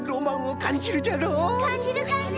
かんじるかんじる。